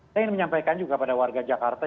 saya ingin menyampaikan juga pada warga jakarta